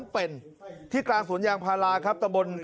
เป็นที่กลางสวนยางพาราครับตะบน